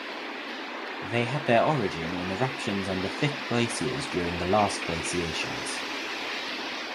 They had their origin in eruptions under thick glaciers during the last glaciations.